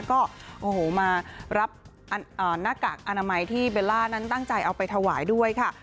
ก็โอ้โหมารับหน้ากากอนามัยที่เบลล่านั้นตั้งใจเอาไปถวายด้วยค่ะ